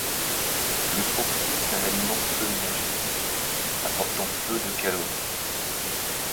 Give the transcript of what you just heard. Le pourpier est un aliment peu énergétique, apportant peu de calories.